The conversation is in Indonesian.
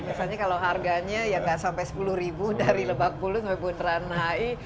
misalnya kalau harganya tidak sampai sepuluh ribu dari lebak bulu sampai beneran ai